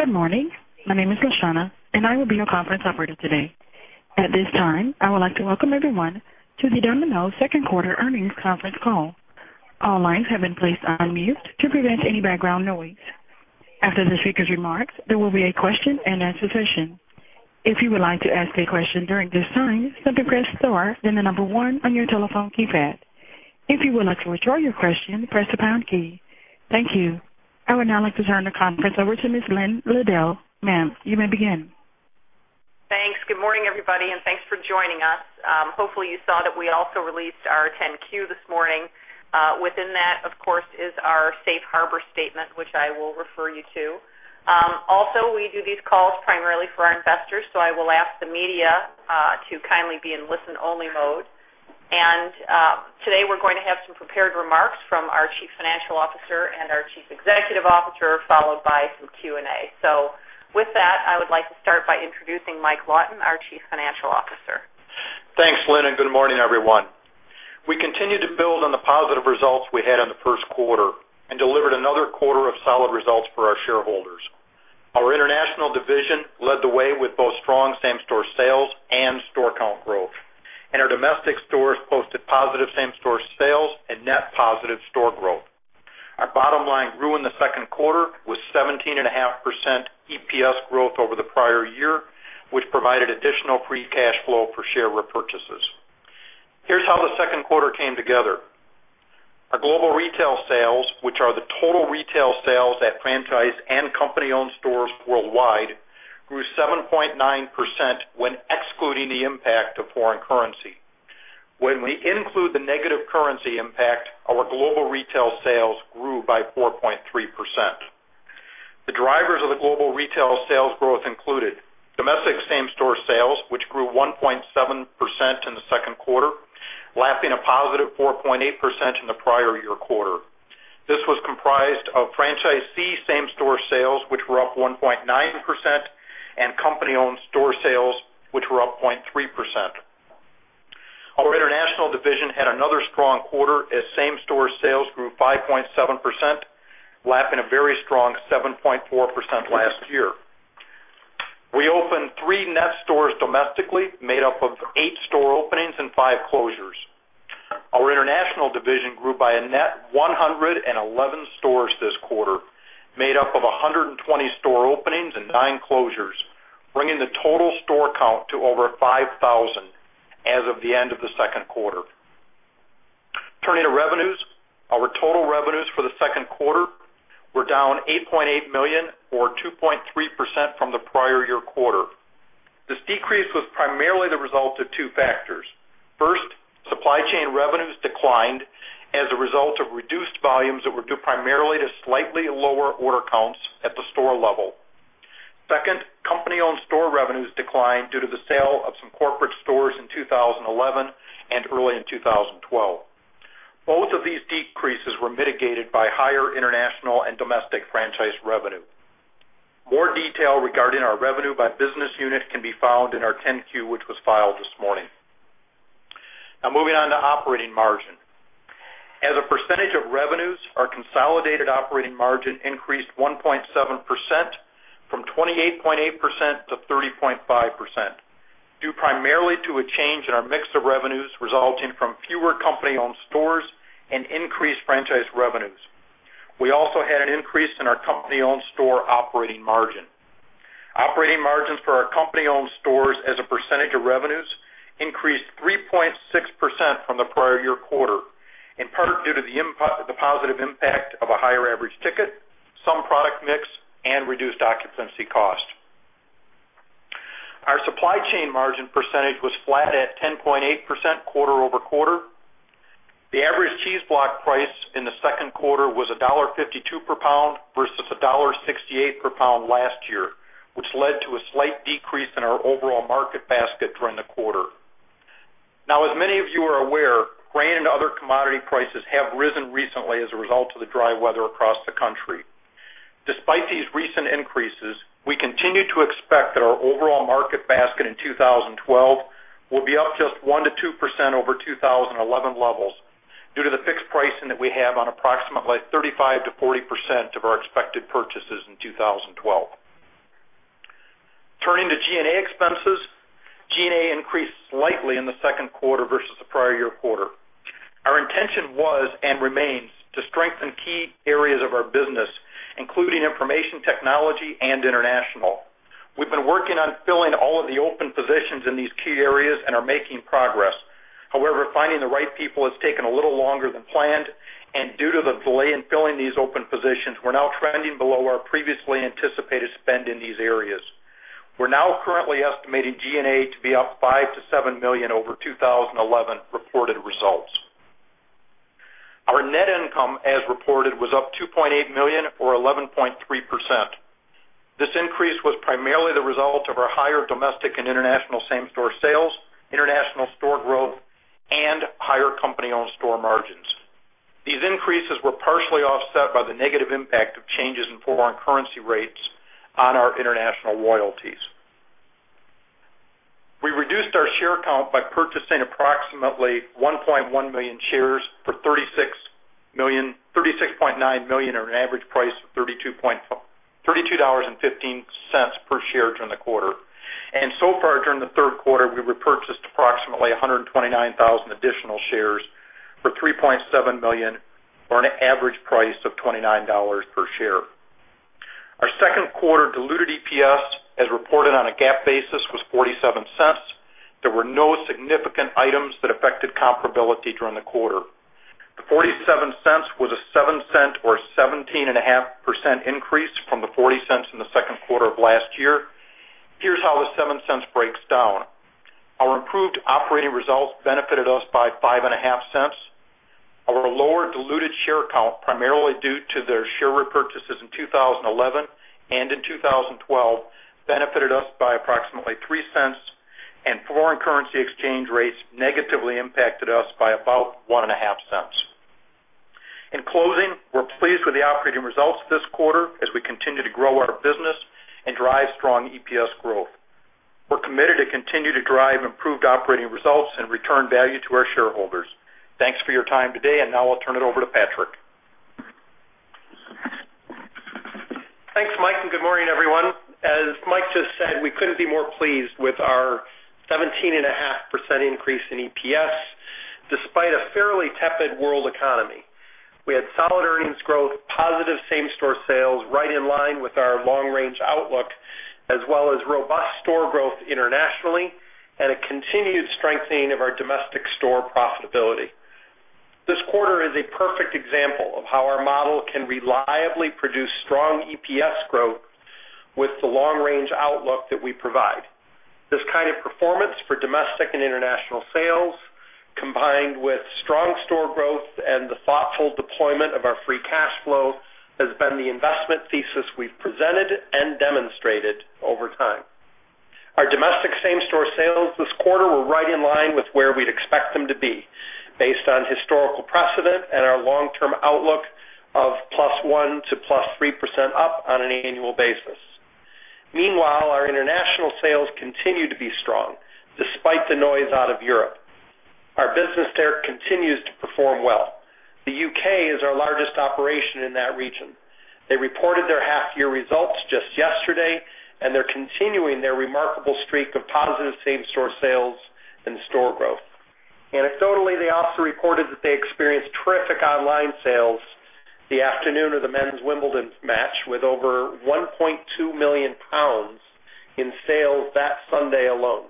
Good morning. My name is LaShawna, and I will be your conference operator today. At this time, I would like to welcome everyone to the Domino's Second Quarter Earnings Conference Call. All lines have been placed on mute to prevent any background noise. After the speaker's remarks, there will be a question and answer session. If you would like to ask a question during this time, simply press star, then the number one on your telephone keypad. If you would like to withdraw your question, press the pound key. Thank you. I would now like to turn the conference over to Ms. Lynn Liddle. Ma'am, you may begin. Thanks. Good morning, everybody, and thanks for joining us. Hopefully, you saw that we also released our 10-Q this morning. Within that, of course, is our safe harbor statement, which I will refer you to. Also, we do these calls primarily for our investors, so I will ask the media to kindly be in listen-only mode. Today we're going to have some prepared remarks from our chief financial officer and our chief executive officer, followed by some Q&A. With that, I would like to start by introducing Mike Lawton, our chief financial officer. Thanks, Lynn. Good morning, everyone. We continued to build on the positive results we had in the first quarter and delivered another quarter of solid results for our shareholders. Our international division led the way with both strong same-store sales and store count growth. Our domestic stores posted positive same-store sales and net positive store growth. Our bottom line grew in the second quarter with 17.5% EPS growth over the prior year, which provided additional free cash flow for share repurchases. Here's how the second quarter came together. Our global retail sales, which are the total retail sales at franchise and company-owned stores worldwide, grew 7.9% when excluding the impact of foreign currency. When we include the negative currency impact, our global retail sales grew by 4.3%. The drivers of the global retail sales growth included domestic same-store sales, which grew 1.7% in the second quarter, lapping a positive 4.8% in the prior year quarter. This was comprised of franchisee same-store sales, which were up 1.9%, and company-owned store sales, which were up 0.3%. Our international division had another strong quarter as same-store sales grew 5.7%, lapping a very strong 7.4% last year. We opened three net stores domestically, made up of eight store openings and five closures. Our international division grew by a net 111 stores this quarter, made up of 120 store openings and nine closures, bringing the total store count to over 5,000 as of the end of the second quarter. Turning to revenues. Our total revenues for the second quarter were down $8.8 million or 2.3% from the prior year quarter. This decrease was primarily the result of two factors. First, supply chain revenues declined as a result of reduced volumes that were due primarily to slightly lower order counts at the store level. Second, company-owned store revenues declined due to the sale of some corporate stores in 2011 and early in 2012. Both of these decreases were mitigated by higher international and domestic franchise revenue. More detail regarding our revenue by business unit can be found in our 10-Q, which was filed this morning. Moving on to operating margin. As a percentage of revenues, our consolidated operating margin increased 1.7%, from 28.8% to 30.5%, due primarily to a change in our mix of revenues resulting from fewer company-owned stores and increased franchise revenues. We also had an increase in our company-owned store operating margin. Operating margins for our company-owned stores as a percentage of revenues increased 3.6% from the prior year quarter, in part due to the positive impact of a higher average ticket, some product mix, and reduced occupancy cost. Our supply chain margin percentage was flat at 10.8% quarter-over-quarter. The average cheese block price in the second quarter was $1.52 per pound versus $1.68 per pound last year, which led to a slight decrease in our overall market basket during the quarter. As many of you are aware, grain and other commodity prices have risen recently as a result of the dry weather across the country. Despite these recent increases, we continue to expect that our overall market basket in 2012 will be up just 1%-2% over 2011 levels due to the fixed pricing that we have on approximately 35%-40% of our expected purchases in 2012. Turning to G&A expenses. G&A increased slightly in the second quarter versus the prior year quarter. Our intention was and remains to strengthen key areas of our business, including information technology and international. We've been working on filling all of the open positions in these key areas and are making progress. However, finding the right people has taken a little longer than planned, and due to the delay in filling these open positions, we're now trending below our previously anticipated spend in these areas. We're now currently estimating G&A to be up $5 million-$7 million over 2011 reported results. Our net income, as reported, was up $2.8 million, or 11.3%. This increase was primarily the result of our higher domestic and international same-store sales, international store growth, and higher company-owned store margins. These increases were partially offset by the negative impact of changes in foreign currency rates on our international royalties. We reduced our share count by purchasing approximately 1.1 million shares for $36.9 million or an average price of $32.15 per share during the quarter. So far, during the third quarter, we repurchased approximately 129,000 additional shares for $3.7 million or an average price of $29 per share. Our second quarter diluted EPS, as reported on a GAAP basis, was $0.47. There were no significant items that affected comparability during the quarter. The $0.47 was a $0.07 or 17.5% increase from the $0.40 in the second quarter of last year. Here's how the $0.07 breaks down. Our improved operating results benefited us by $0.055. Our lower diluted share count, primarily due to the share repurchases in 2011 and in 2012, benefited us by approximately $0.03, and foreign currency exchange rates negatively impacted us by about $0.015. In closing, we're pleased with the operating results this quarter as we continue to grow our business and drive strong EPS growth. We're committed to continue to drive improved operating results and return value to our shareholders. Thanks for your time today, and now I'll turn it over to Patrick. Thanks, Mike, and good morning, everyone. As Mike just said, we couldn't be more pleased with our 17.5% increase in EPS, despite a fairly tepid world economy. We had solid earnings growth, positive same-store sales right in line with our long-range outlook, as well as robust store growth internationally and a continued strengthening of our domestic store profitability. This quarter is a perfect example of how our model can reliably produce strong EPS growth with the long-range outlook that we provide. This kind of performance for domestic and international sales, combined with strong store growth and the thoughtful deployment of our free cash flow, has been the investment thesis we've presented and demonstrated over time. Our domestic same-store sales this quarter were right in line with where we'd expect them to be based on historical precedent and our long-term outlook of +1% to +3% up on an annual basis. Meanwhile, our international sales continue to be strong despite the noise out of Europe. Our business there continues to perform well. The U.K. is our largest operation in that region. They reported their half-year results just yesterday, and they're continuing their remarkable streak of positive same-store sales and store growth. Anecdotally, they also reported that they experienced terrific online sales the afternoon of the men's Wimbledon match, with over 1.2 million pounds in sales that Sunday alone.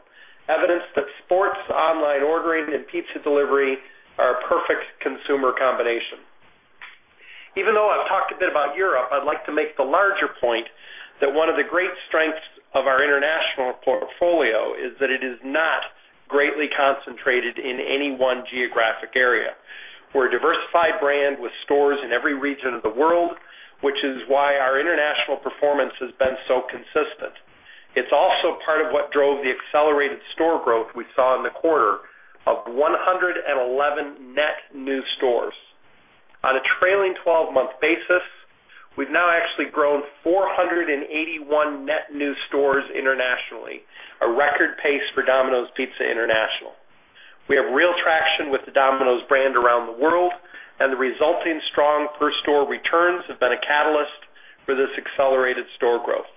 Evidence that sports, online ordering, and pizza delivery are a perfect consumer combination. Even though I've talked a bit about Europe, I'd like to make the larger point that one of the great strengths of our international portfolio is that it is not greatly concentrated in any one geographic area. We're a diversified brand with stores in every region of the world, which is why our international performance has been so consistent. It's also part of what drove the accelerated store growth we saw in the quarter of 111 net new stores. On a trailing 12-month basis, we've now actually grown 481 net new stores internationally, a record pace for Domino's Pizza International. We have real traction with the Domino's brand around the world, and the resulting strong per-store returns have been a catalyst for this accelerated store growth.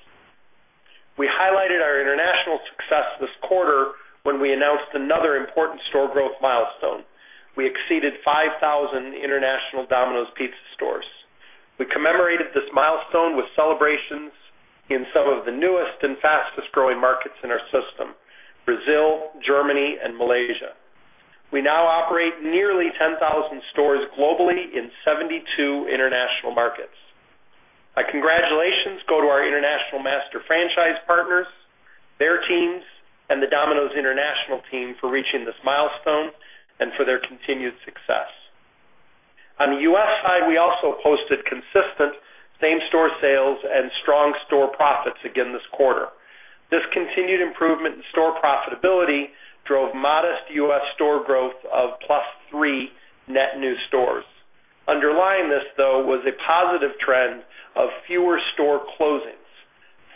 We highlighted our international success this quarter when we announced another important store growth milestone. We exceeded 5,000 international Domino's Pizza stores. We commemorated this milestone with celebrations in some of the newest and fastest-growing markets in our system: Brazil, Germany, and Malaysia. We now operate nearly 10,000 stores globally in 72 international markets. Our congratulations go to our international master franchise partners, their teams, and the Domino's International team for reaching this milestone and for their continued success. On the U.S. side, we also posted consistent same-store sales and strong store profits again this quarter. This continued improvement in store profitability drove modest U.S. store growth of +3 net new stores. Underlying this, though, was a positive trend of fewer store closings,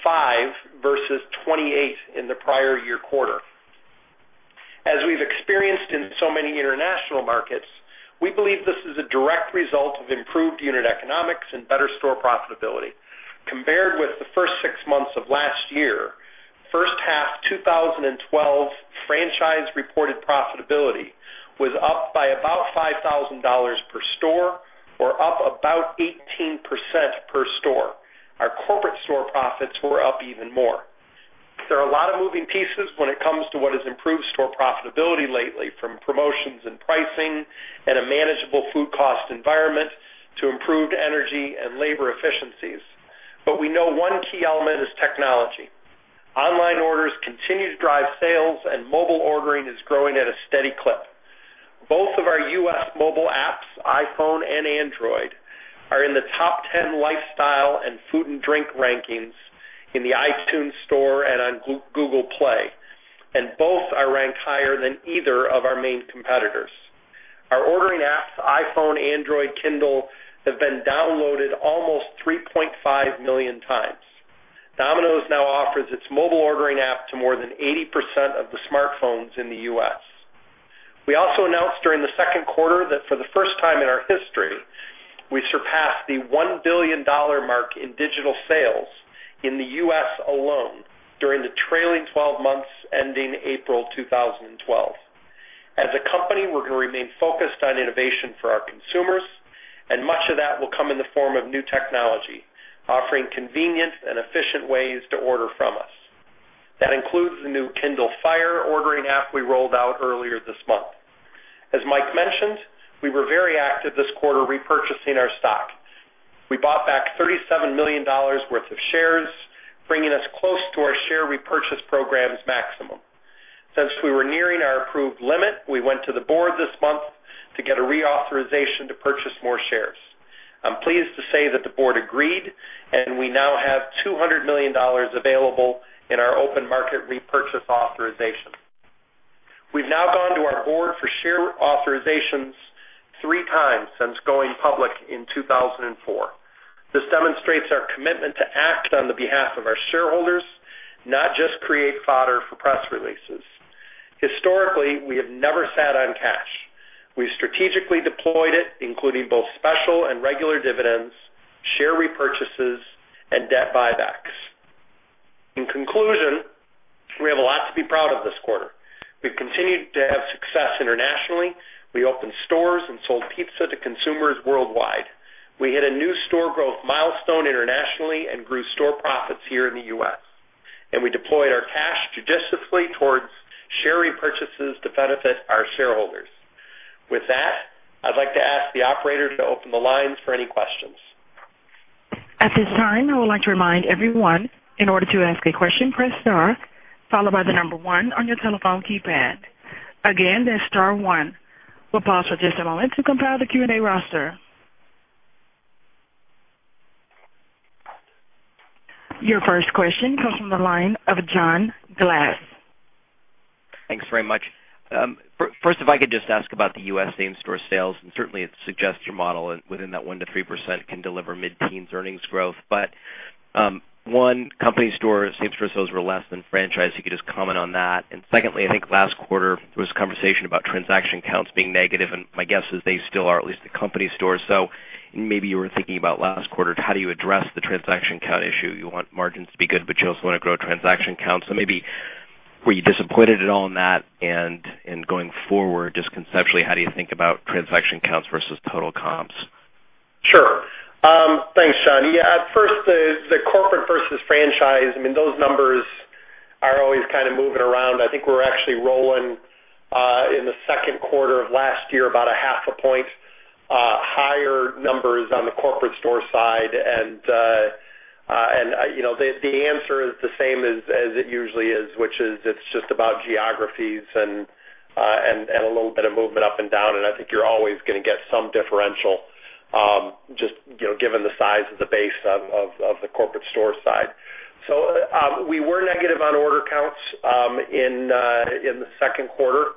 five versus 28 in the prior year quarter. As we've experienced in so many international markets, we believe this is a direct result of improved unit economics and better store profitability. Compared with the first six months of last year, first half 2012 franchise-reported profitability was up by about $5,000 per store or up about 18% per store. Our corporate store profits were up even more. There are a lot of moving pieces when it comes to what has improved store profitability lately, from promotions and pricing and a manageable food cost environment to improved energy and labor efficiencies. We know one key element is technology. Online orders continue to drive sales, and mobile ordering is growing at a steady clip. Both of our U.S. mobile apps, iPhone and Android, are in the top 10 lifestyle and food and drink rankings in the iTunes Store and on Google Play, and both are ranked higher than either of our main competitors. Our ordering apps, iPhone, Android, Kindle, have been downloaded almost 3.5 million times. Domino's now offers its mobile ordering app to more than 80% of the smartphones in the U.S. We also announced during the second quarter that for the first time in our history, we surpassed the $1 billion mark in digital sales in the U.S. alone during the trailing 12 months ending April 2012. As a company, we're going to remain focused on innovation for our consumers, and much of that will come in the form of new technology, offering convenient and efficient ways to order from us. That includes the new Kindle Fire ordering app we rolled out earlier this month. As Mike mentioned, we were very active this quarter repurchasing our stock. We bought back $37 million worth of shares, bringing us close to our share repurchase program's maximum. Since we were nearing our approved limit, we went to the board this month to get a reauthorization to purchase more shares. I'm pleased to say that the board agreed, and we now have $200 million available in our open market repurchase authorization. We've now gone to our board for share authorizations three times since going public in 2004. This demonstrates our commitment to act on the behalf of our shareholders, not just create fodder for press releases. Historically, we have never sat on cash. We strategically deployed it, including both special and regular dividends, share repurchases, and debt buybacks. In conclusion, we have a lot to be proud of this quarter. We've continued to have success internationally. We opened stores and sold pizza to consumers worldwide. We hit a new store growth milestone internationally and grew store profits here in the U.S. We deployed our cash judiciously towards share repurchases to benefit our shareholders. With that, I'd like to ask the operator to open the lines for any questions. At this time, I would like to remind everyone, in order to ask a question, press star, followed by the number 1 on your telephone keypad. Again, that's star 1. We'll pause for just a moment to compile the Q&A roster. Your first question comes from the line of John Glass. Thanks very much. First, if I could just ask about the U.S. same-store sales, certainly it suggests your model within that 1%-3% can deliver mid-teens earnings growth. One company store same-store sales were less than franchise. You could just comment on that. Secondly, I think last quarter there was conversation about transaction counts being negative, and my guess is they still are, at least the company stores. Maybe you were thinking about last quarter, how do you address the transaction count issue? You want margins to be good, but you also want to grow transaction counts. Maybe were you disappointed at all in that? Going forward, just conceptually, how do you think about transaction counts versus total comps? Sure. Thanks, John. Yeah, at first, the corporate versus franchise, those numbers are always kind of moving around. I think we're actually rolling in the second quarter of last year about a half a point higher numbers on the corporate store side. The answer is the same as it usually is, which is it's just about geographies and a little bit of movement up and down, and I think you're always going to get some differential, just given the size of the base of the corporate store side. We were negative on order counts in the second quarter.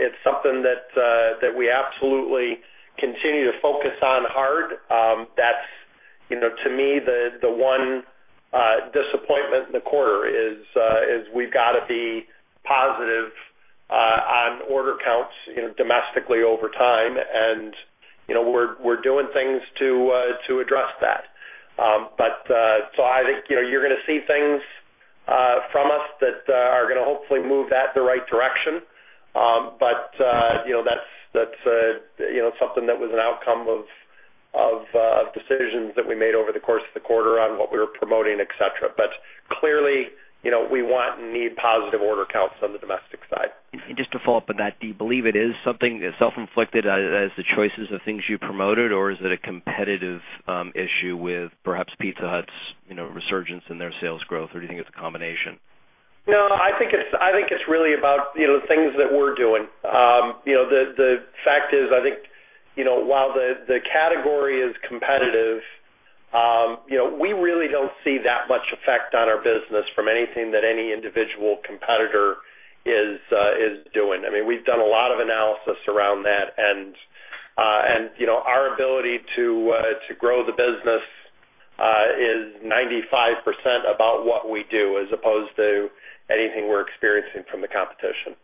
It's something that we absolutely continue to focus on hard. To me, the one disappointment in the quarter is we've got to be positive on order counts domestically over time. We're doing things to address that. I think you're going to see things from us that are going to hopefully move that the right direction. That's something that was an outcome of decisions that we made over the course of the quarter on what we were promoting, et cetera. Clearly, we want and need positive order counts on the domestic side. Just to follow up on that, do you believe it is something that's self-inflicted as the choices of things you promoted, or is it a competitive issue with perhaps Pizza Hut's resurgence in their sales growth, or do you think it's a combination? I think it's really about the things that we're doing. The fact is, I think while the category is competitive, we really don't see that much effect on our business from anything that any individual competitor is doing. We've done a lot of analysis around that, our ability to grow the business is 95% about what we do as opposed to anything we're experiencing from the competition.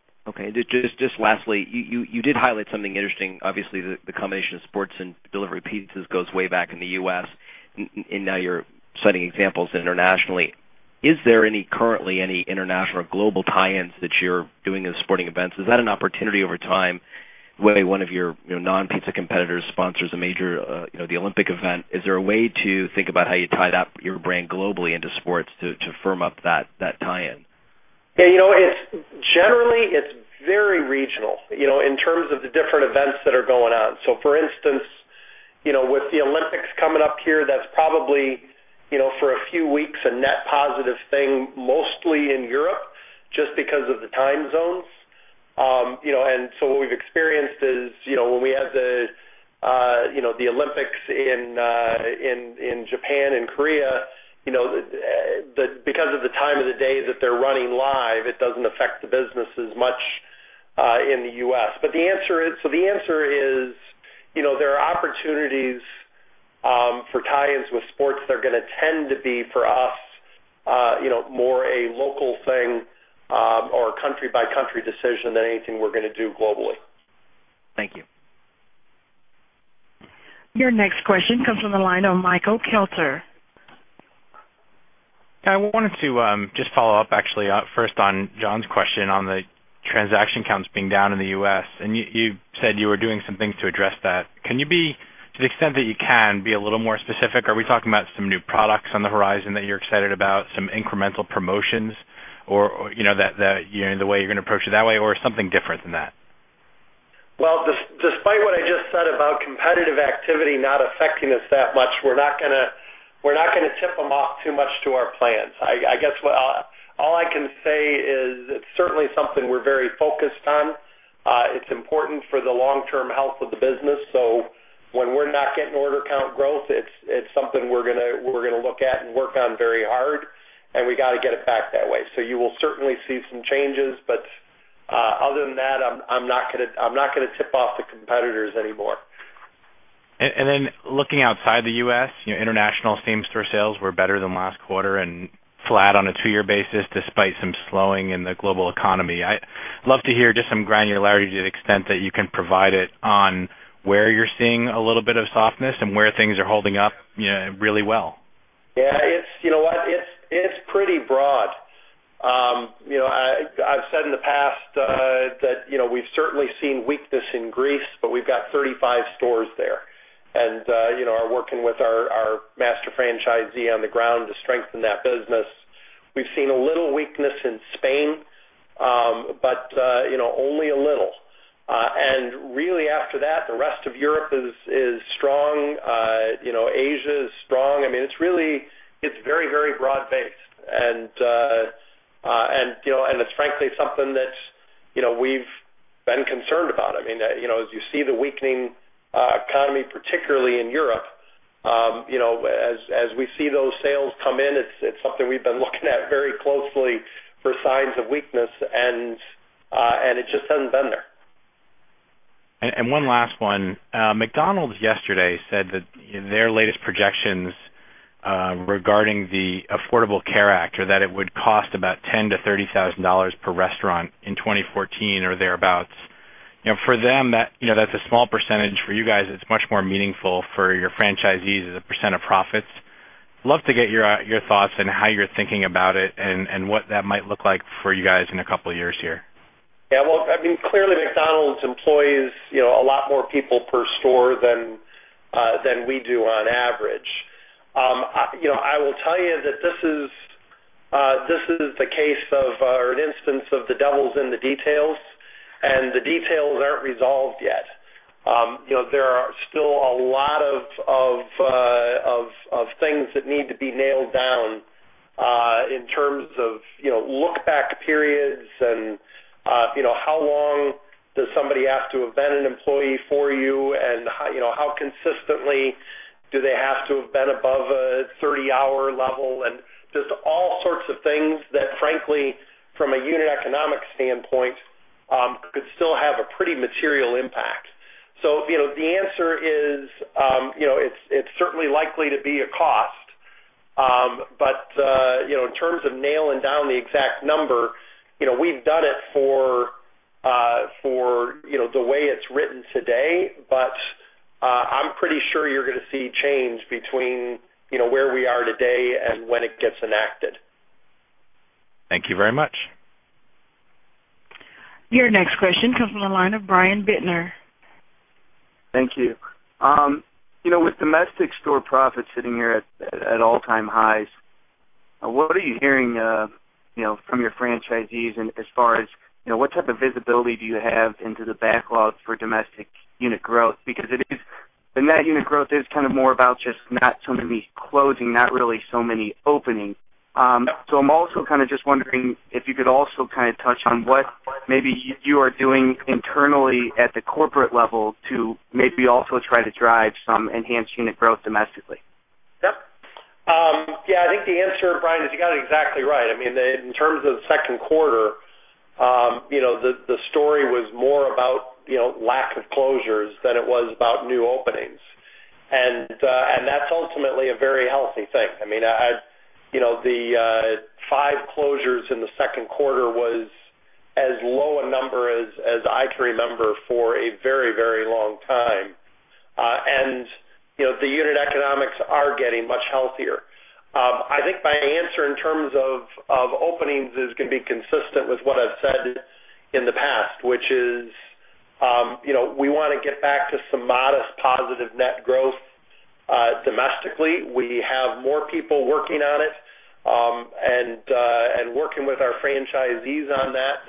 Just lastly, you did highlight something interesting. Obviously, the combination of sports and delivery pizzas goes way back in the U.S., now you're citing examples internationally. Is there currently any international or global tie-ins that you're doing in sporting events? Is that an opportunity over time, the way one of your non-pizza competitors sponsors a major Olympic event? Is there a way to think about how you tie your brand globally into sports to firm up that tie-in? Yeah. Generally, it is very regional in terms of the different events that are going on. For instance, with the Olympics coming up here, that is probably, for a few weeks, a net positive thing, mostly in Europe, just because of the time zones. What we have experienced is when we had the Olympics in Japan and Korea, because of the time of the day that they are running live, it does not affect the business as much in the U.S. The answer is, there are opportunities for tie-ins with sports that are going to tend to be for us more a local thing or a country-by-country decision than anything we are going to do globally. Thank you. Your next question comes from the line of Michael Kelter. I wanted to just follow up actually first on John's question on the transaction counts being down in the U.S. You said you were doing some things to address that. Can you, to the extent that you can, be a little more specific? Are we talking about some new products on the horizon that you are excited about, some incremental promotions, or the way you are going to approach it that way, or something different than that? Well, despite what I just said about competitive activity not affecting us that much, we're not going to tip them off too much to our plans. I guess all I can say is it's certainly something we're very focused on. It's important for the long-term health of the business. When we're not getting order count growth, it's something we're going to look at and work on very hard, and we got to get it back that way. You will certainly see some changes. Other than that, I'm not going to tip off the competitors anymore. Looking outside the U.S., international same-store sales were better than last quarter and flat on a two-year basis, despite some slowing in the global economy. I'd love to hear just some granularity to the extent that you can provide it on where you're seeing a little bit of softness and where things are holding up really well. Yeah. You know what? It's pretty broad. I've said in the past that we've certainly seen weakness in Greece, but we've got 35 stores there and are working with our master franchisee on the ground to strengthen that business. We've seen a little weakness in Spain, but only a little. Really after that, the rest of Europe is strong. Asia is strong. It's very broad-based, and it's frankly something that we've been concerned about. As you see the weakening economy, particularly in Europe, as we see those sales come in, it's something we've been looking at very closely for signs of weakness, and it just hasn't been there. One last one. McDonald's yesterday said that their latest projections regarding the Affordable Care Act are that it would cost about $10,000-$30,000 per restaurant in 2014 or thereabouts. For them, that's a small percentage. For you guys, it's much more meaningful for your franchisees as a % of profits. Love to get your thoughts on how you're thinking about it and what that might look like for you guys in a couple of years here. Yeah. Well, clearly McDonald's employs a lot more people per store than we do on average. I will tell you that this is the case of, or an instance of the devil's in the details, and the details aren't resolved yet. There are still a lot of things that need to be nailed down in terms of look-back periods and how long does somebody have to have been an employee for you and how consistently do they have to have been above a 30-hour level, and just all sorts of things that, frankly, from a unit economic standpoint, could still have a pretty material impact. The answer is, it's certainly likely to be a cost. In terms of nailing down the exact number, we've done it for the way it's written today, but I'm pretty sure you're going to see change between where we are today and when it gets enacted. Thank you very much. Your next question comes from the line of Brian Bittner. Thank you. With domestic store profits sitting here at all-time highs, what are you hearing from your franchisees as far as what type of visibility do you have into the backlogs for domestic unit growth? The net unit growth is more about just not so many closing, not really so many opening. Yep. I'm also just wondering if you could also touch on what maybe you are doing internally at the corporate level to maybe also try to drive some enhanced unit growth domestically. Yep. I think the answer, Brian, is you got it exactly right. In terms of second quarter, the story was more about lack of closures than it was about new openings. That's ultimately a very healthy thing. The five closures in the second quarter was as low a number as I can remember for a very long time. The unit economics are getting much healthier. I think my answer in terms of openings is going to be consistent with what I've said in the past, which is we want to get back to some modest positive net growth domestically. We have more people working on it and working with our franchisees on that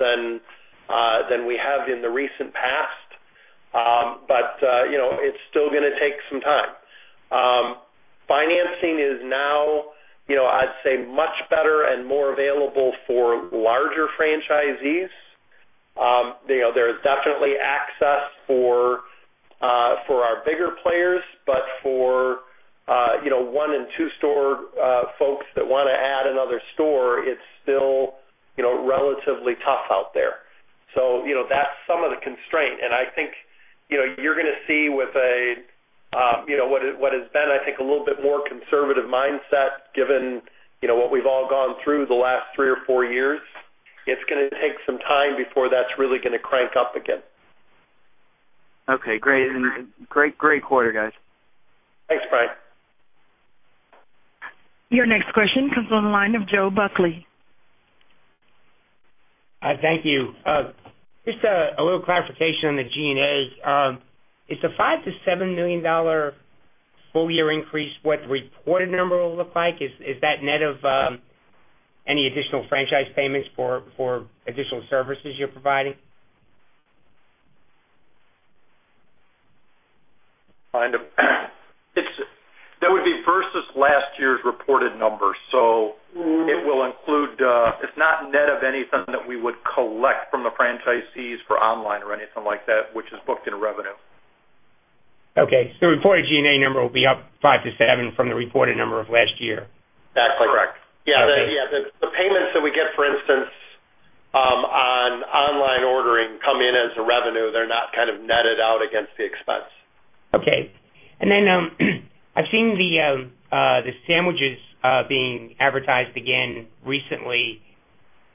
than we have in the recent past. It's still going to take some time. Let's say much better and more available for larger franchisees. There's definitely access for our bigger players. For one and two-store folks that want to add another store, it's still relatively tough out there. That's some of the constraint. I think you're going to see with what has been, I think, a little bit more conservative mindset, given what we've all gone through the last three or four years. It's going to take some time before that's really going to crank up again. Okay, great. Great quarter, guys. Thanks, Brian. Your next question comes on the line of Joe Buckley. Thank you. Just a little clarification on the G&A. Is the $5 million-$7 million full year increase what the reported number will look like? Is that net of any additional franchise payments for additional services you're providing? That would be versus last year's reported numbers. It's not net of anything that we would collect from the franchisees for online or anything like that, which is booked in revenue. Okay. The reported G&A number will be up five to seven from the reported number of last year. That's correct. Okay. Yeah. The payments that we get, for instance, on online ordering, come in as a revenue. They're not kind of netted out against the expense. Okay. I've seen the sandwiches being advertised again recently,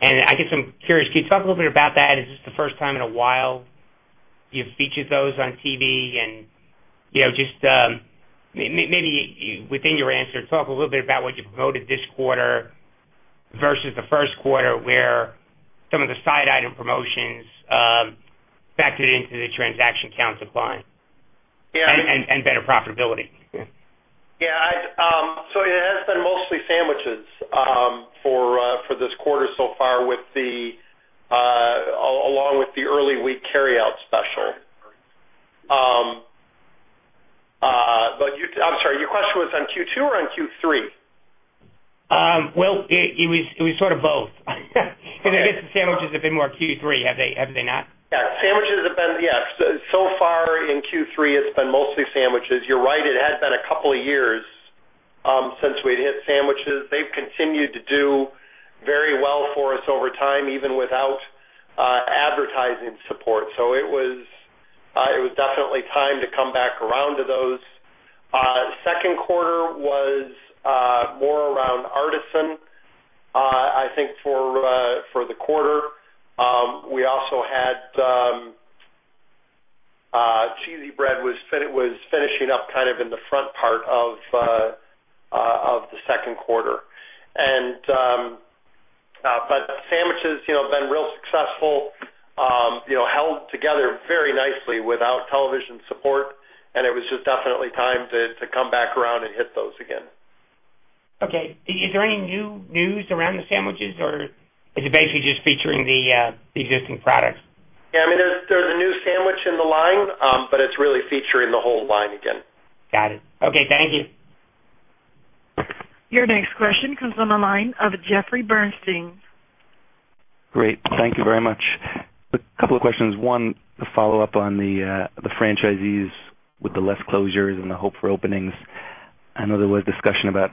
and I guess I'm curious. Can you talk a little bit about that? Is this the first time in a while you featured those on TV? Just maybe within your answer, talk a little bit about what you promoted this quarter versus the first quarter, where some of the side item promotions factored into the transaction count decline- Yeah Better profitability. Yeah. It has been mostly sandwiches for this quarter so far along with the early week carryout special. I'm sorry, your question was on Q2 or on Q3? It was sort of both because I guess the sandwiches have been more Q3, have they not? Yeah. So far in Q3, it's been mostly sandwiches. You're right, it had been a couple of years since we'd hit sandwiches. They've continued to do very well for us over time, even without advertising support. It was definitely time to come back around to those. Second quarter was more around Artisan, I think for the quarter. We also had Cheesy Bread was finishing up kind of in the front part of the second quarter. Sandwiches have been real successful, held together very nicely without television support, and it was just definitely time to come back around and hit those again. Okay. Is there any new news around the sandwiches, or is it basically just featuring the existing products? Yeah, there's a new sandwich in the line. It's really featuring the whole line again. Got it. Okay. Thank you. Your next question comes on the line of Jeffrey Bernstein. Great. Thank you very much. A couple of questions. One to follow up on the franchisees with the less closures and the hope for openings. I know there was discussion about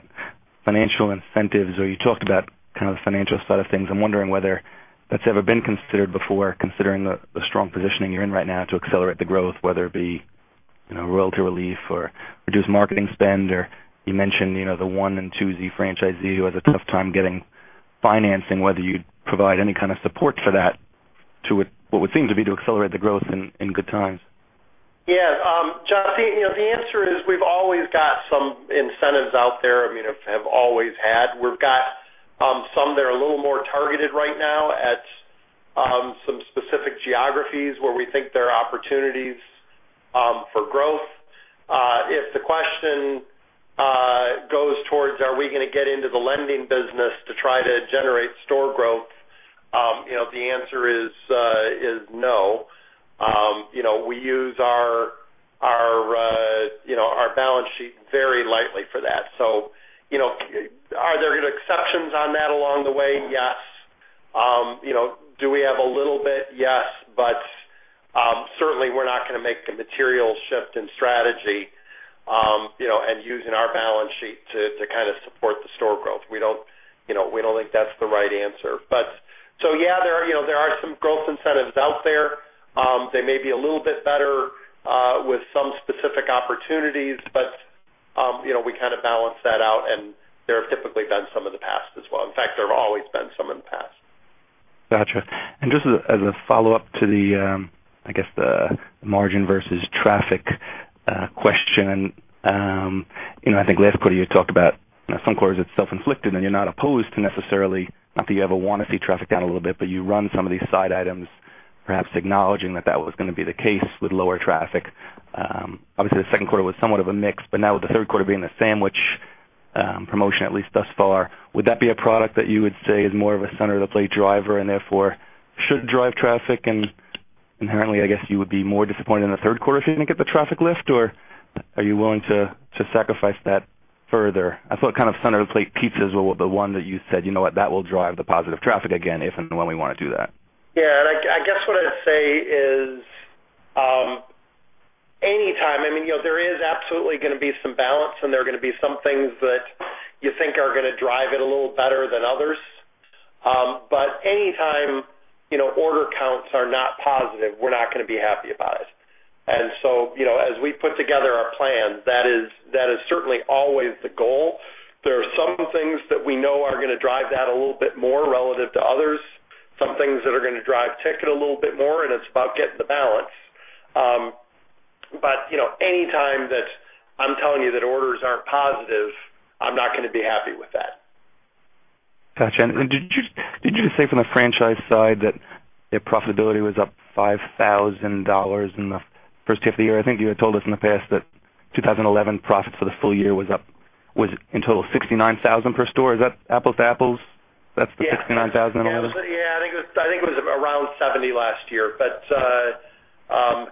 financial incentives, or you talked about kind of the financial side of things. I'm wondering whether that's ever been considered before, considering the strong positioning you're in right now to accelerate the growth, whether it be royalty relief or reduced marketing spend. You mentioned the one and two Z franchisee who has a tough time getting financing, whether you'd provide any kind of support for that, to what would seem to be to accelerate the growth in good times. Yes. Jeffrey, the answer is we've always got some incentives out there. Have always had. We've got some that are a little more targeted right now at some specific geographies where we think there are opportunities for growth. If the question goes towards are we going to get into the lending business to try to generate store growth, the answer is no. We use our balance sheet very lightly for that. Are there exceptions on that along the way? Yes. Do we have a little bit? Yes. Certainly we're not going to make a material shift in strategy and using our balance sheet to kind of support the store growth. We don't think that's the right answer. Yeah, there are some growth incentives out there. They may be a little bit better with some specific opportunities, but we kind of balance that out. There have typically been some in the past as well. In fact, there have always been some in the past. Got you. Just as a follow-up to the, I guess the margin versus traffic question. I think last quarter you talked about some quarters it's self-inflicted and you're not opposed to necessarily, not that you ever want to see traffic down a little bit, but you run some of these side items, perhaps acknowledging that that was going to be the case with lower traffic. Obviously, the second quarter was somewhat of a mix, but now with the third quarter being the sandwich promotion, at least thus far, would that be a product that you would say is more of a center of the plate driver and therefore should drive traffic? Inherently, I guess you would be more disappointed in the third quarter if you didn't get the traffic lift, or are you willing to sacrifice that further? I thought kind of center plate pizzas were the one that you said, "You know what? That will drive the positive traffic again, if and when we want to do that. Yeah, I guess what I'd say is, anytime, there is absolutely going to be some balance and there are going to be some things that you think are going to drive it a little better than others. Anytime order counts are not positive, we're not going to be happy about it. As we put together our plan, that is certainly always the goal. There are some things that we know are going to drive that a little bit more relative to others, some things that are going to drive ticket a little bit more, and it's about getting the balance. Anytime that I'm telling you that orders aren't positive, I'm not going to be happy with that. Got you. Did you just say from the franchise side that their profitability was up $5,000 in the first half of the year? I think you had told us in the past that 2011 profits for the full year was up, was in total $69,000 per store. Is that apples to apples? That's the $69,000 I know. I think it was around 70 last year,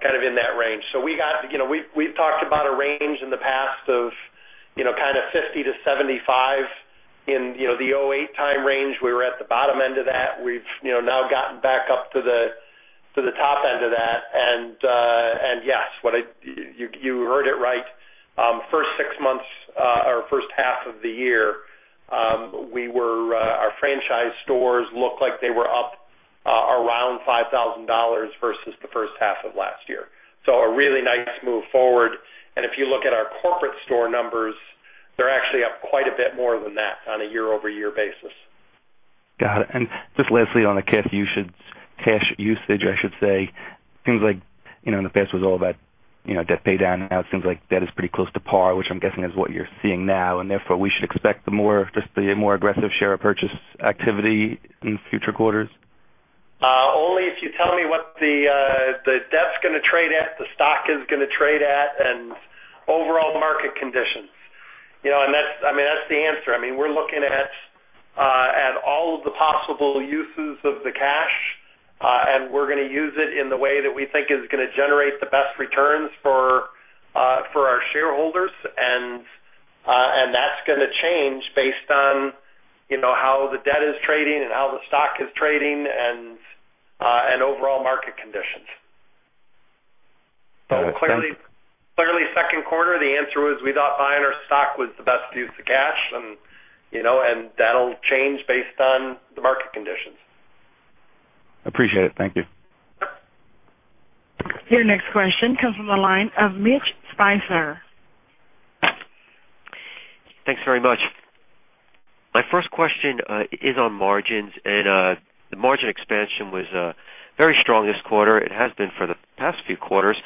kind of in that range. We've talked about a range in the past of kind of 50 to 75 in the 2008 time range. We were at the bottom end of that. We've now gotten back up to the top end of that. Yes, you heard it right. First six months or first half of the year, our franchise stores looked like they were up around $5,000 versus the first half of last year. A really nice move forward. If you look at our corporate store numbers, they're actually up quite a bit more than that on a year-over-year basis. Got it. Just lastly on the cash usage, I should say, seems like, in the past was all about debt pay down. Now it seems like debt is pretty close to par, which I'm guessing is what you're seeing now, therefore we should expect the more aggressive share of purchase activity in future quarters. Only if you tell me what the debt's going to trade at, the stock is going to trade at, and overall market conditions. That's the answer. We're looking at all of the possible uses of the cash, and we're going to use it in the way that we think is going to generate the best returns for our shareholders. That's going to change based on how the debt is trading and how the stock is trading and overall market conditions. Got it. Clearly, second quarter, the answer was we thought buying our stock was the best use of cash, and that'll change based on the market conditions. Appreciate it. Thank you. Your next question comes from the line of Mitchell Speiser. Thanks very much. My first question is on margins, the margin expansion was very strong this quarter. It has been for the past few quarters.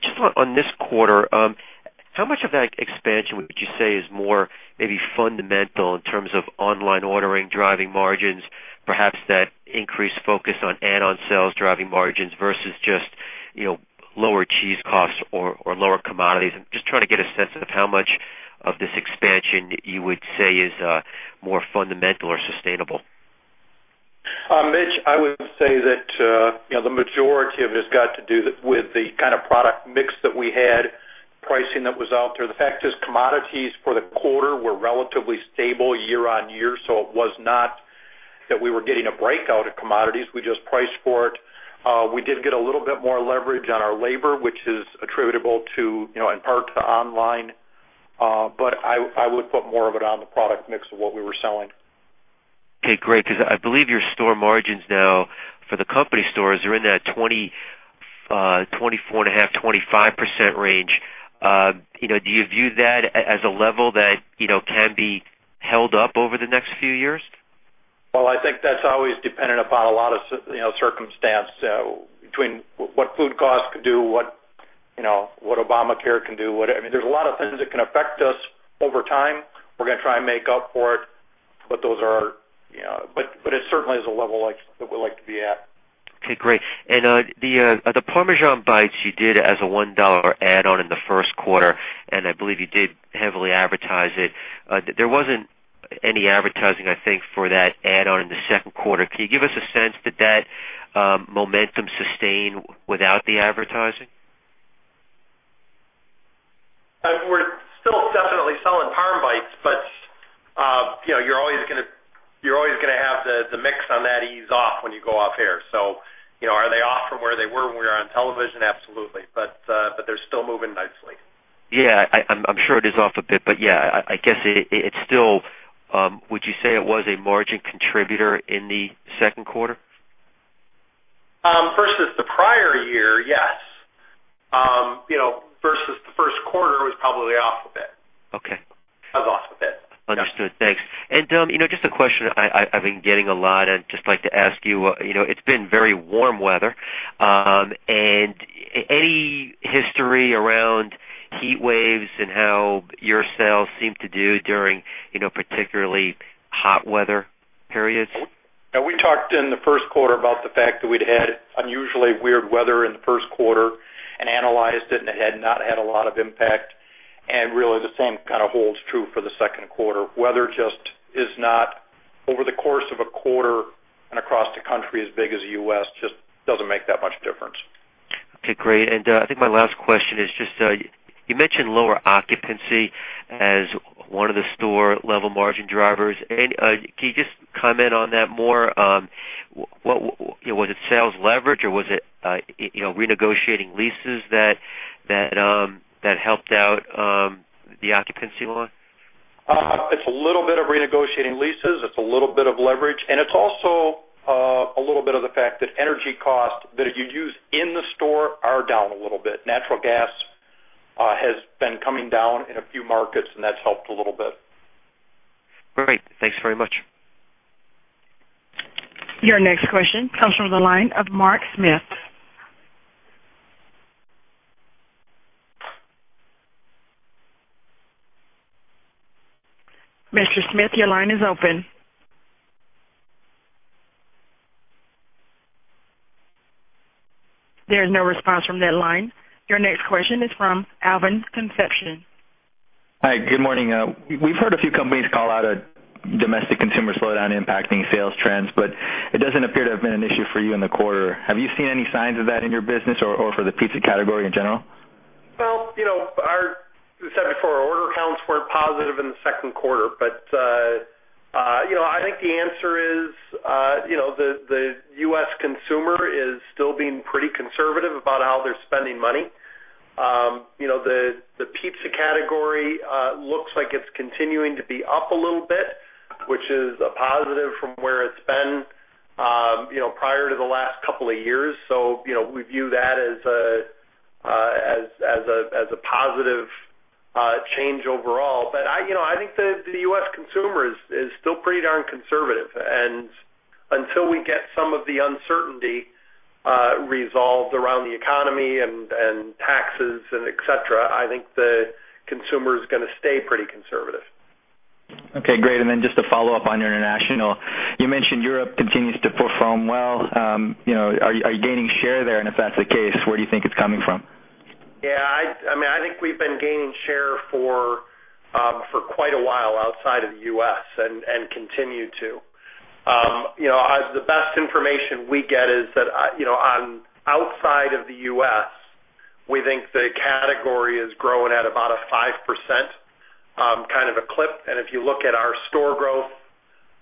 Just on this quarter, how much of that expansion would you say is more maybe fundamental in terms of online ordering, driving margins, perhaps that increased focus on add-on sales driving margins versus just lower cheese costs or lower commodities? I'm just trying to get a sense of how much of this expansion you would say is more fundamental or sustainable. Mitch, I would say that the majority of it has got to do with the kind of product mix that we had, pricing that was out there. The fact is, commodities for the quarter were relatively stable year-over-year, so it was not that we were getting a breakout of commodities. We just priced for it. We did get a little bit more leverage on our labor, which is attributable in part to online. I would put more of it on the product mix of what we were selling. Okay, great. I believe your store margins now for the company stores are in that 24.5%, 25% range. Do you view that as a level that can be held up over the next few years? I think that's always dependent upon a lot of circumstance between what food costs could do, what Obamacare can do. There's a lot of things that can affect us over time. We're going to try and make up for it. It certainly is a level that we like to be at. Okay, great. The Parmesan Bread Bites you did as a $1 add-on in the first quarter, and I believe you did heavily advertise it. There wasn't any advertising, I think, for that add-on in the second quarter. Can you give us a sense, did that momentum sustain without the advertising? We're still definitely selling Parm bites, you're always going to have the mix on that ease off when you go off air. Are they off from where they were when we were on television? Absolutely. They're still moving nicely. Yeah. I'm sure it is off a bit, yeah, I guess. Would you say it was a margin contributor in the second quarter? Versus the prior year, yes. Versus the first quarter, it was probably off a bit. Okay. It was off a bit. Understood. Thanks. Just a question I've been getting a lot. I'd just like to ask you. It's been very warm weather. Any history around heat waves and how your sales seem to do during particularly hot weather periods? We talked in the first quarter about the fact that we'd had unusually weird weather in the first quarter and analyzed it had not had a lot of impact. Really, the same kind of holds true for the second quarter. Weather just is not Over the course of a quarter and across the country as big as the U.S., just doesn't make that much difference. Okay, great. I think my last question is just, you mentioned lower occupancy as one of the store-level margin drivers. Can you just comment on that more? Was it sales leverage or was it renegotiating leases that helped out the occupancy line? It's a little bit of renegotiating leases, it's a little bit of leverage, it's also a little bit of the fact that energy costs that you use in the store are down a little bit. Natural gas has been coming down in a few markets, that's helped a little bit. Great. Thanks very much. Your next question comes from the line of Mark Smith. Mr. Smith, your line is open. There is no response from that line. Your next question is from Alvin Concepcion. Hi, good morning. We've heard a few companies call out a domestic consumer slowdown impacting sales trends, but it doesn't appear to have been an issue for you in the quarter. Have you seen any signs of that in your business or for the pizza category in general? Well, as I said before, order counts weren't positive in the second quarter. I think the answer is, the U.S. consumer is still being pretty conservative about how they're spending money. The pizza category looks like it's continuing to be up a little bit, which is a positive from where it's been prior to the last couple of years. We view that as a positive change overall. I think the U.S. consumer is still pretty darn conservative. Until we get some of the uncertainty resolved around the economy and taxes and et cetera, I think the consumer is going to stay pretty conservative. Okay, great. Then just to follow up on your international. You mentioned Europe continues to perform well. Are you gaining share there? If that's the case, where do you think it's coming from? Yeah. I think we've been gaining share for quite a while outside of the U.S. and continue to. The best information we get is that on outside of the U.S., we think the category is growing at about a 5% kind of a clip. If you look at our store growth,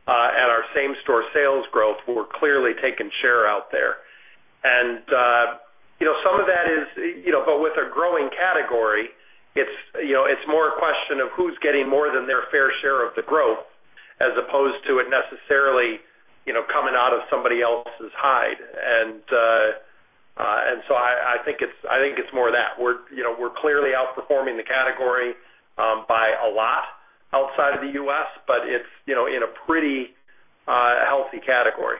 at our same-store sales growth, we're clearly taking share out there. With a growing category, it's more a question of who's getting more than their fair share of the growth as opposed to it necessarily coming out of somebody else's hide. So I think it's more that. We're clearly outperforming the category by a lot outside of the U.S., it's in a pretty healthy category.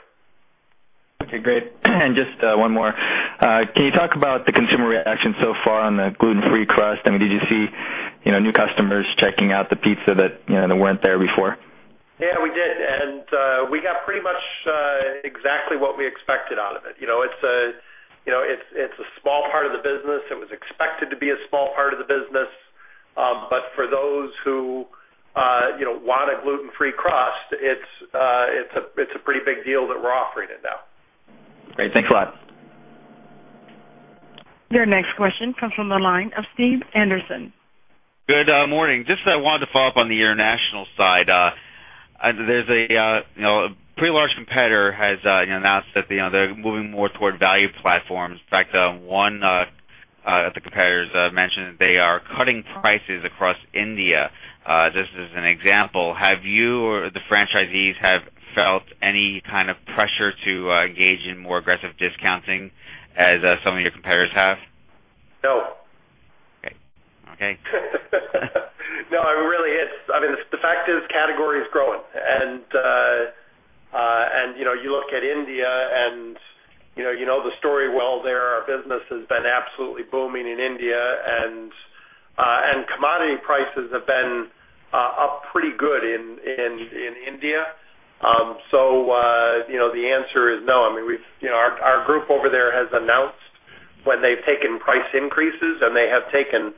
Okay, great. Just one more. Can you talk about the consumer reaction so far on the Gluten Free Crust? Did you see new customers checking out the pizza that weren't there before? Yeah, we did. We got pretty much exactly what we expected out of it. It's a small part of the business. It was expected to be a small part of the business. For those who want a Gluten Free Crust, it's a pretty big deal that we're offering it now. Great. Thanks a lot. Your next question comes from the line of Stephen Anderson. Good morning. Just wanted to follow up on the international side. A pretty large competitor has announced that they're moving more toward value platforms. In fact, one of the competitors mentioned they are cutting prices across India. Just as an example, have you or the franchisees have felt any kind of pressure to engage in more aggressive discounting as some of your competitors have? No. Okay. No, the fact is, category is growing. You look at India and you know the story well there. Our business has been absolutely booming in India, and commodity prices have been up pretty good in India. The answer is no. Our group over there has announced when they've taken price increases, and they have taken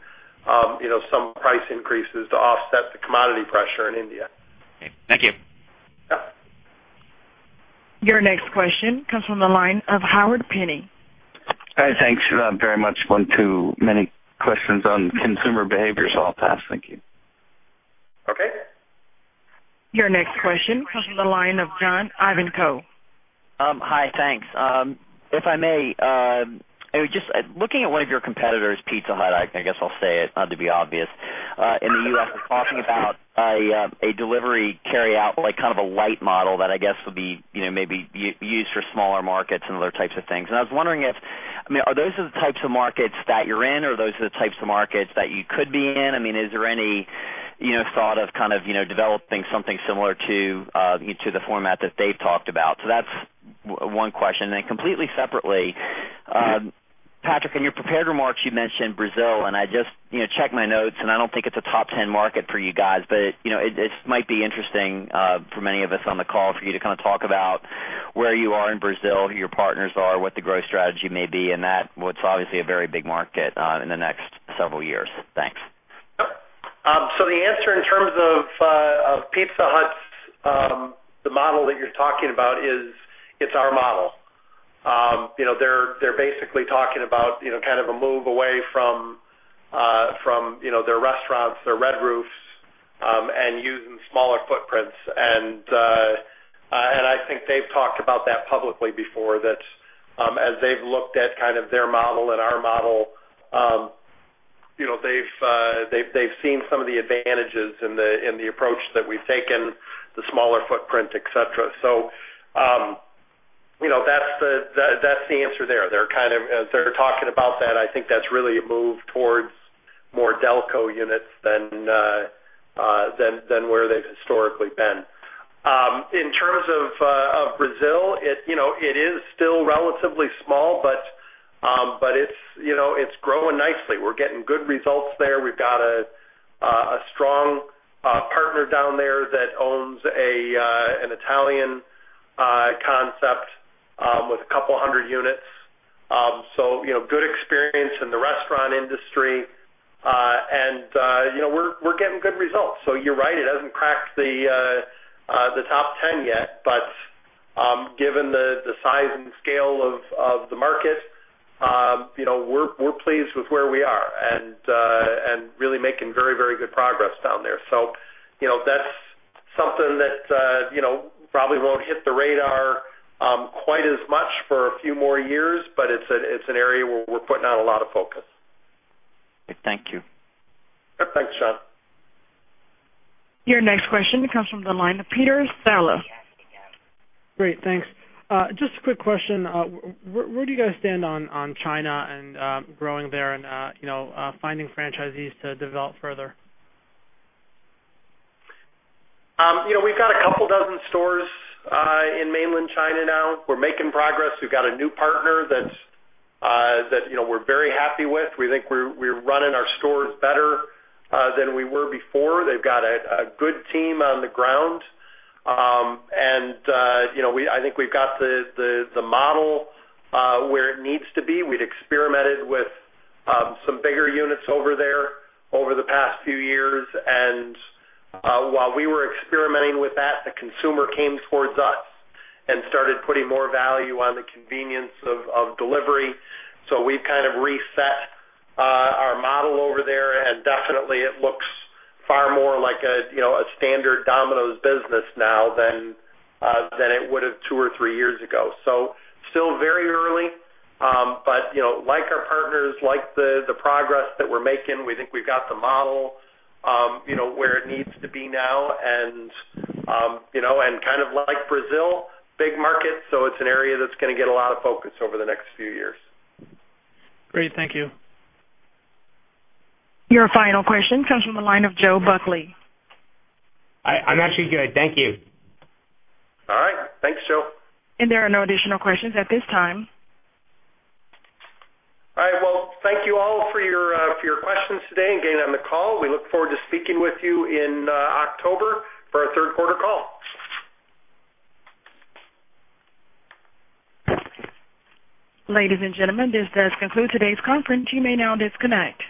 some price increases to offset the commodity pressure in India. Okay. Thank you. Yeah. Your next question comes from the line of Howard Penney. Hi. Thanks very much. One too many questions on consumer behavior, I'll pass. Thank you. Okay. Your next question comes from the line of John Ivankoe. Hi, thanks. If I may, just looking at one of your competitors, Pizza Hut, I guess I'll say it, to be obvious. In the U.S., they're talking about a delivery carryout, like kind of a light model that I guess would be maybe used for smaller markets and other types of things. I was wondering if, are those the types of markets that you're in or are those the types of markets that you could be in? Is there any thought of kind of developing something similar to the format that they've talked about? That's one question. Completely separately, Patrick, in your prepared remarks, you mentioned Brazil. I just checked my notes. I don't think it's a top 10 market for you guys. It might be interesting for many of us on the call for you to kind of talk about where you are in Brazil, who your partners are, what the growth strategy may be in that, what's obviously a very big market in the next several years. Thanks. Yep. The answer in terms of Pizza Hut, the model that you're talking about is our model. They're basically talking about a move away from their restaurants, their red roofs, and using smaller footprints. I think they've talked about that publicly before, that as they've looked at their model and our model, they've seen some of the advantages in the approach that we've taken, the smaller footprint, et cetera. That's the answer there. As they're talking about that, I think that's really a move towards more Delco units than where they've historically been. In terms of Brazil, it is still relatively small. It's growing nicely. We're getting good results there. We've got a strong partner down there that owns an Italian concept with 200 units. Good experience in the restaurant industry. We're getting good results. You're right, it hasn't cracked the top 10 yet. Given the size and scale of the market, we're pleased with where we are and really making very good progress down there. That's something that probably won't hit the radar quite as much for a few more years. It's an area where we're putting out a lot of focus. Thank you. Thanks, John. Your next question comes from the line of Peter Saleh. Great, thanks. Just a quick question. Where do you guys stand on China and growing there and finding franchisees to develop further? We've got a couple dozen stores in mainland China now. We're making progress. We've got a new partner that we're very happy with. We think we're running our stores better than we were before. They've got a good team on the ground. I think we've got the model where it needs to be. We'd experimented with some bigger units over there over the past few years. While we were experimenting with that, the consumer came towards us and started putting more value on the convenience of delivery. We've kind of reset our model over there, and definitely it looks far more like a standard Domino's business now than it would have two or three years ago. Still very early. Like our partners, like the progress that we're making, we think we've got the model where it needs to be now. Kind of like Brazil, big market, so it's an area that's going to get a lot of focus over the next few years. Great. Thank you. Your final question comes from the line of Joe Buckley. I'm actually good. Thank you. All right. Thanks, Joe. There are no additional questions at this time. All right. Well, thank you all for your questions today and getting on the call. We look forward to speaking with you in October for our third quarter call. Ladies and gentlemen, this does conclude today's conference. You may now disconnect.